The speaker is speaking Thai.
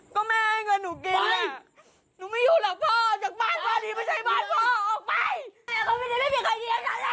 ก็แม่ให้กับหนูกินไปหนูไม่อยู่หลังพ่อจากบ้านพ่อดีไม่ใช่บ้านพ่อออกไป